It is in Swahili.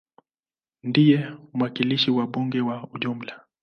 Ndiye mwakilishi wa bunge kwa ujumla.